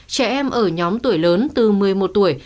trẻ em ở nhóm tuổi lớn từ một mươi một tuổi